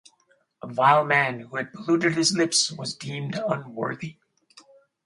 A vile man who had polluted his lips was deemed unworthy.